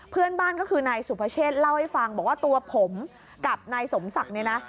เพื่อนบ้านก็คือนายสุภเชษเล่าให้ฟังบอกว่าตัวผมกับนายสมศักดิ์เนี่ยนะ